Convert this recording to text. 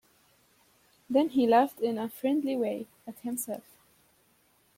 Then he laughed in a friendly way at himself.